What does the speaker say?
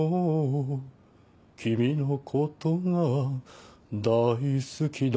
「君のことが大好きだ」